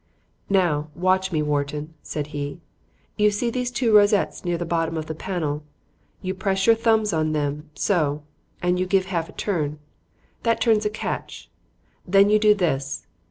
"Now, watch me, Wharton," said he. "You see these two rosettes near the bottom of the panel. You press your thumbs on them, so; and you give a half turn. That turns a catch. Then you do this."